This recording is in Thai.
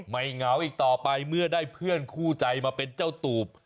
เหงาอีกต่อไปเมื่อได้เพื่อนคู่ใจมาเป็นเจ้าตูบ